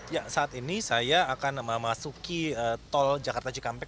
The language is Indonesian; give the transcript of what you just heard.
ya saat ini saya akan memasuki tol jakarta cikampek